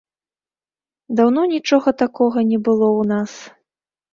Даўно нічога такога не было ў нас.